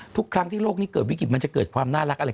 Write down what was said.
ทุกครั้งที่โลกนี้เกิดวิกฤตมันจะเกิดความน่ารักอะไร